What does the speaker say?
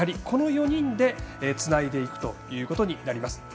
この４人でつないでいくということになります。